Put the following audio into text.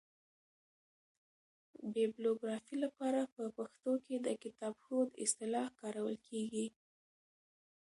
بیبلوګرافي له پاره په پښتو کښي دکتابښود اصطلاح کارول کیږي.